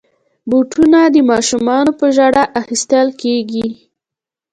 بوټونه د ماشومانو په ژړا اخیستل کېږي.